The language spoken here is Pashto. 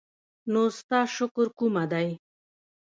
نو ستا شکر کومه دی؟